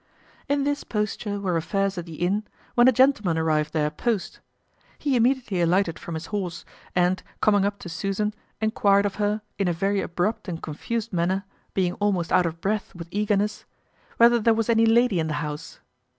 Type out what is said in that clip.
In this posture were affairs at the inn when a gentleman arrived there post. He immediately alighted from his horse, and, coming up to Susan, enquired of her, in a very abrupt and confused manner, being almost out of breath with eagerness, Whether there was any lady in the house?